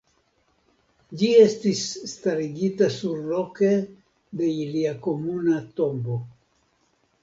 Ĝi estis starigita surloke de ilia komuna tombo.